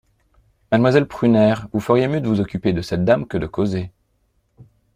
Mademoiselle Prunaire, vous feriez mieux de vous occuper de cette dame que de causer.